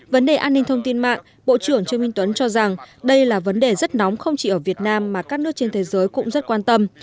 vấn đề an ninh thông tin mạng bộ trưởng trương minh tuấn cho rằng đây là vấn đề rất nóng không chỉ ở việt nam mà các nước trên thế giới cũng rất quan tâm